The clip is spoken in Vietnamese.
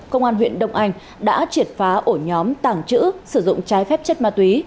công an huyện đông anh đã triệt phá ổ nhóm tàng trữ sử dụng trái phép chất ma túy